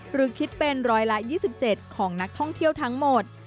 หรือคิดเป็นร้อยละ๒๗ของนักท่องเที่ยวทั้งหมด